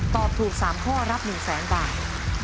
ตอบถูกสามข้อรับ๑๐๐๐๐๐บาท